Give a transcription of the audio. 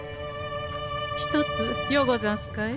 ひとつようござんすかえ？